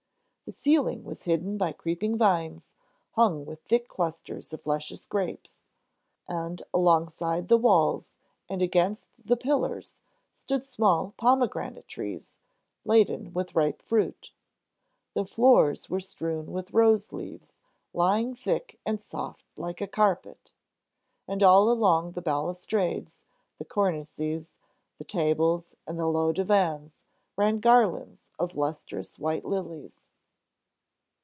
The ceiling was hidden by creeping vines hung with thick clusters of luscious grapes, and alongside the walls, and against the pillars stood small pomegranate trees, laden with ripe fruit. The floors were strewn with rose leaves, lying thick and soft like a carpet. And all along the balustrades, the cornices, the tables, and the low divans, ran garlands of lustrous white lilies.